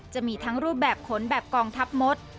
จะมีทั้งรูปแบบขนแบบกองทัพมด